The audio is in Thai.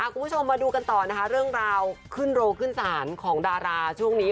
คุณผู้ชมมาดูกันต่อนะคะเรื่องราวขึ้นโรงขึ้นศาลของดาราช่วงนี้